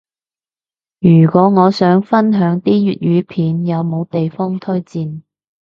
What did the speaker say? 如果我想分享啲粵語片，有冇地方推薦？